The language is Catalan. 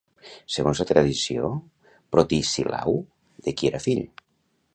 Segons la tradició Protesilau de qui era fill?